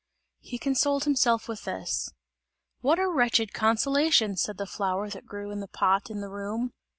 He consoled himself with this. "What a wretched consolation!" said the flower, that grew in the pot in the room.